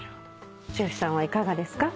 剛さんはいかがですか？